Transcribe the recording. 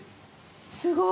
すごい！